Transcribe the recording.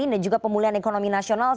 dan juga pemulihan ekonomi nasional